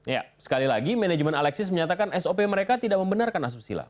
ya sekali lagi manajemen alexis menyatakan sop mereka tidak membenarkan asusila